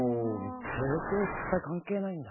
成功失敗関係ないんだ。